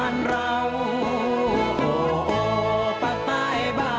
นะครับ